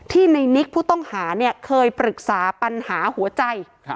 ในนิกผู้ต้องหาเนี่ยเคยปรึกษาปัญหาหัวใจ